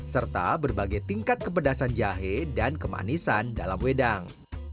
serta berbagai tingkat kepedasan jahe dan kemanisan dalam wedang